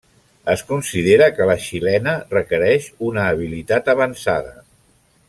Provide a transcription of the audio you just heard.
Es considera que la xilena requereix una habilitat avançada.